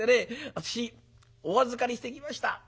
私お預かりしてきました。